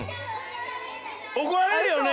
おこられるよね？